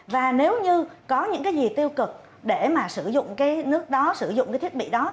và nếu như có những cái gì tiêu cực để mà sử dụng cái nước đó sử dụng cái thiết bị đó